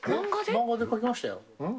漫画で描きましたよ。